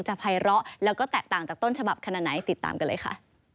ภัยร้อแล้วก็แตกต่างจากต้นฉบับขนาดไหนติดตามกันเลยค่ะ